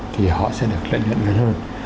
thì họ sẽ được lợi nhận hơn